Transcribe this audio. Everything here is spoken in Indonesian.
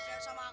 hantu main sama